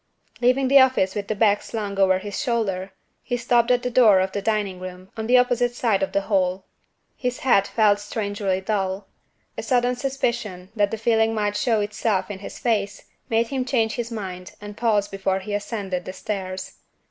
Leaving the office with the bag slung over his shoulder, he stopped at the door of the dining room, on the opposite side of the hall. His head felt strangely dull. A sudden suspicion that the feeling might show itself in his face, made him change his mind and pause before he ascended the stairs.